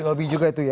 lobby juga itu ya